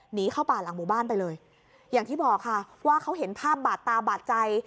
หนีเข้าป่าหลังหมู่บ้านไปเลยอย่างที่บอกค่ะว่าเขาเห็นภาพบาดตาบาดใจ